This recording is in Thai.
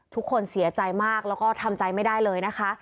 ทุกคนเสียใจมากแล้วก็ทำใจไม่ได้เลยนะคะ